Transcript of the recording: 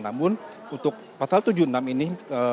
namun untuk pasal tujuh puluh enam ini